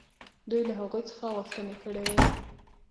دوی له هغوی څخه غوښتنې کړې وې.